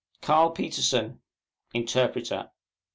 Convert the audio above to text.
CARL PETERSEN, Interpreter.